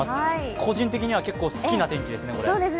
個人的には結構好きな天気ですね。